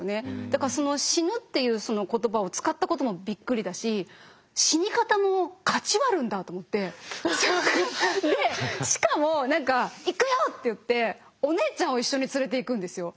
だからその死ぬっていう言葉を使ったこともびっくりだし死に方もかち割るんだと思ってでしかも何か「行くよ！」って言ってお姉ちゃんを一緒に連れていくんですよ。